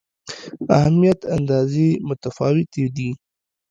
اهمیت اندازې متفاوتې دي.